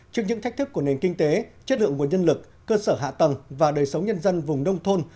trước những thách thức của nền kinh tế chất lượng nguồn nhân lực cơ sở hạ tầng và đời sống nhân dân vùng nông thôn